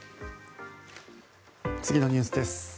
次のニュースです。